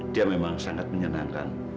dia memang sangat menyenangkan